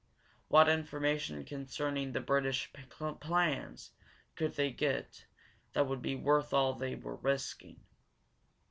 What information concerning the British plans could they get that would be worth all they were risking?